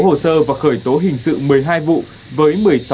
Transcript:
các cơ quan chức năng đã củng cố hồ sơ và khởi tố hình sự một mươi hai vụ